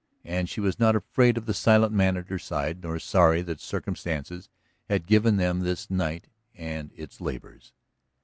And she was not afraid of the silent man at her side, nor sorry that circumstance had given them this night and its labors.